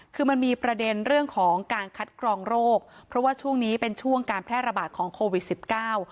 คือมันมีประเด็นเรื่องของการคัดกรองโรคเพราะว่าช่วงนี้เป็นช่วงการแพร่ระบาดของโควิดสิบเก้า